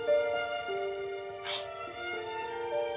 はい。